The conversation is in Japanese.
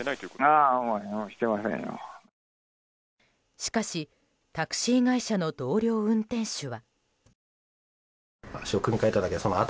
しかしタクシー会社の同僚運転手は。